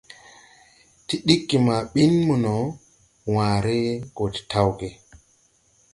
Ti ɗiggi ma ɓin mono, wããre gɔ de tawge.